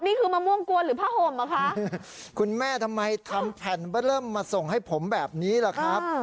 นี่คือมะม่วงกวนหรือผ้าห่มเหรอคะคุณแม่ทำไมทำแผ่นเบอร์เริ่มมาส่งให้ผมแบบนี้ล่ะครับ